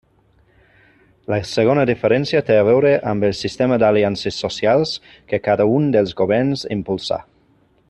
La segona diferència té a veure amb el sistema d'aliances socials que cada un dels governs impulsa.